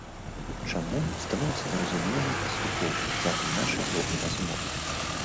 Чаму, становіцца зразумелым паступова, цягам нашай доўгай размовы.